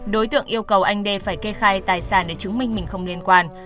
đối tượng yêu cầu anh đê phải kê khai tài sản để chứng minh mình không liên quan